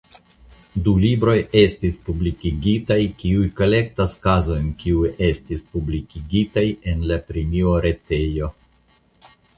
Du libroj estis publikigitaj kiuj kolektas kazojn kiuj estis publikigitaj en la premioretejo.